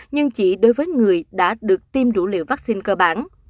nhưng chỉ đối với người đã được tiêm đủ liều vaccine cơ bản